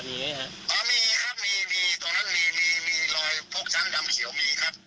มีไงฮะอ๋อมีครับมีมีตรงนั้นมีมีมีมีรอยพวกช้างดำเขียวมีครับ